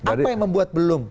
apa yang membuat belum